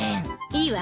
いいわ。